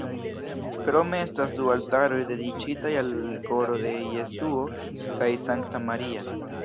Krome estas du altaroj dediĉitaj al Koro de Jesuo kaj Sankta Maria.